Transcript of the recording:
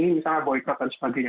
misalnya boykot dan sebagainya